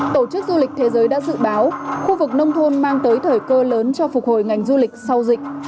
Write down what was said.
tổ chức du lịch thế giới đã dự báo khu vực nông thôn mang tới thời cơ lớn cho phục hồi ngành du lịch sau dịch